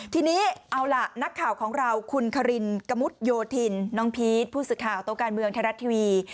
ทีนี้เอาล่ะนักข่าวของเราคุณคารินกะมุดโยธินน้องพีชผู้สื่อข่าวโต๊ะการเมืองไทยรัฐทีวี